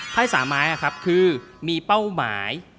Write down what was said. ไต่สามไม้คือมีเป้าหมาย